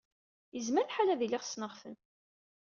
Yezmer lḥal ad iliɣ ssneɣ-ten.